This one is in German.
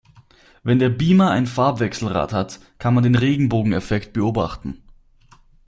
Wenn der Beamer ein Farbwechselrad hat, kann man den Regenbogeneffekt beobachten.